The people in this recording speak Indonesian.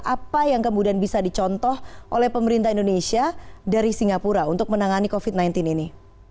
apa yang kemudian bisa dicontoh oleh pemerintah indonesia dari singapura untuk menangani covid sembilan belas ini